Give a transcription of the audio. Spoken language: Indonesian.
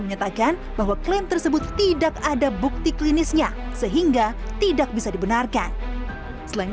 menyatakan bahwa klaim tersebut tidak ada bukti klinisnya sehingga tidak bisa dibenarkan selain